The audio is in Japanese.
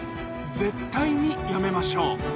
絶対にやめましょう。